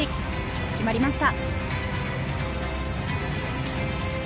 決まりました。